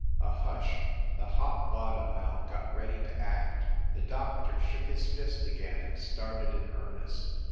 A hush. The Hop bottom mouth got ready to act. The doctor shook his fist again and started in earnest.